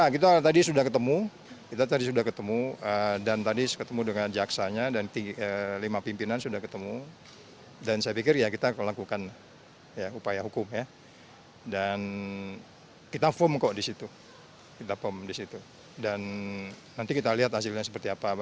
kita form kok disitu kita form disitu dan nanti kita lihat hasilnya seperti apa